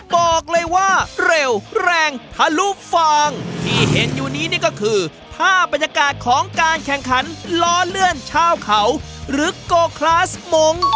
บอกเลยว่าเร็วแรงทะลุฟางที่เห็นอยู่นี้นี่ก็คือภาพบรรยากาศของการแข่งขันล้อเลื่อนชาวเขาหรือโกคลาสมง